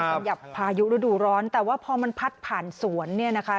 สำหรับพายุฤดูร้อนแต่ว่าพอมันพัดผ่านสวนเนี่ยนะคะ